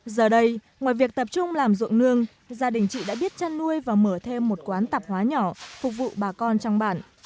giờ đây ngoài việc tập trung làm ruộng nương gia đình chị đã biết chăn nuôi và mở thêm một quán tạp hóa nhỏ phục vụ bà con trong bản